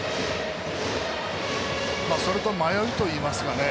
それと迷いといいますかね